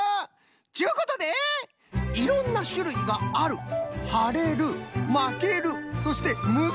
ちゅうことで「いろんなしゅるいがある」「はれる」「まける」そして「むすべる」